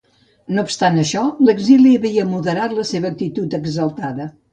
No obstant això, l'exili havia moderat la seva actitud exaltada.